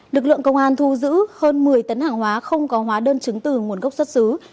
lực lượng công an thu giữ hơn một mươi tấn hàng hóa không có hóa đơn chứng từ nguồn gốc xuất xứ